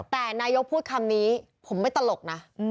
แต่นายกพูดคำนี้ผมไม่ตลกนะ